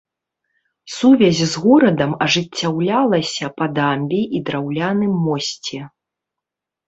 Сувязь з горадам ажыццяўлялася па дамбе і драўляным мосце.